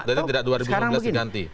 jadi tidak dua ribu sembilan belas diganti